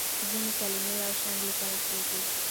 ځینې کلمې یو شان لیکل کېږي.